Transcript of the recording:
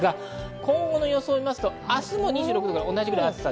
今後の予想を見ますと、明日も２６度、同じぐらいです。